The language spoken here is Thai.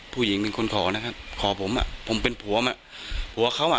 ผู้หญิงเป็นคนขอนะครับขอผมอ่ะผมเป็นผัวมาผัวเขาอ่ะ